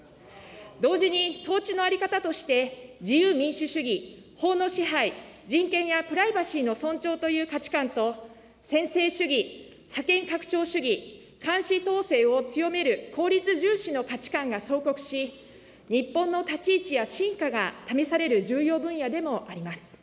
同時に統治の在り方として自由・民主主義、法の支配、人権やプライバシーの尊重という価値観と、専制主義、覇権拡張主義、監視統制を強める効率重視の価値観が相克し、日本の立ち位置や真価が試される重要分野でもあります。